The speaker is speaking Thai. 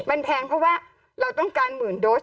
มันแพงเพราะว่าเราต้องการหมื่นโดส